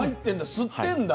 吸ってんだ。